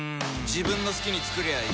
自分の好きに作りゃいい